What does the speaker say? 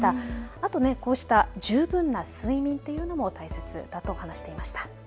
あと、こうした十分な睡眠というのも大切だと話していました。